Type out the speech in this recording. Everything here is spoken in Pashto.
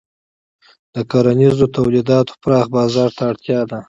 د کرنیزو تولیداتو پراخ بازار ته اړتیا ده.